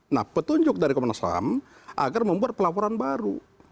nah petunjuk dari komnas ham agar membuat pelaporan baru